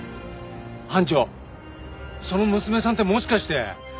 班長その娘さんってもしかして。